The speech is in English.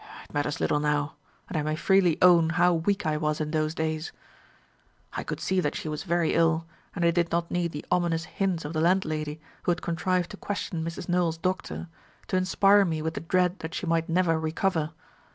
It matters little now; and I may freely own how weak I was in those days. "I could see that she was very ill, and I did not need the ominous hints of the landlady, who had contrived to question Mrs. Nowell's doctor, to inspire me with the dread that she might never recover.